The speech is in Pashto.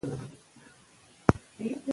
کینه د ژوند توري څنډه ده.